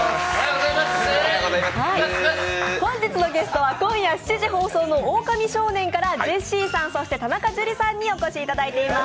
本日のゲストは今夜７時放送の「オオカミ少年」からジェシーさん、田中樹さんにお越しいただいています。